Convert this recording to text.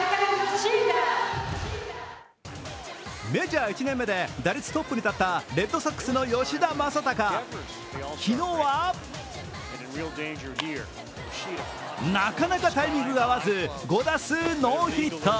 メジャー１年目で打率トップに立ったレッドソックスの吉田正尚、昨日はなかなかタイミングが合わず５打数ノーヒット。